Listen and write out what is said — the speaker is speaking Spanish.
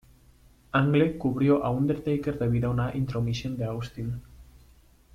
Angle cubrió a Undertaker debido a una intromisión de Austin.